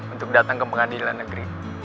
untuk datang ke pengadilan negeri